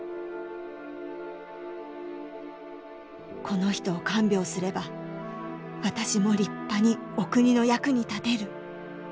この人を看病すれば私も立派にお国の役に立てる。